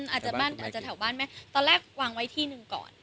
อาจจะแถวบ้านแม่ตอนแรกวางไว้ที่หนึ่งก่อน